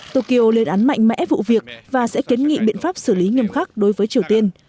tokyo lên án mạnh mẽ vụ việc và sẽ kiến nghị biện pháp xử lý nghiêm khắc đối với triều tiên